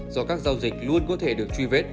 do các giao dịch luôn có thể được truy vết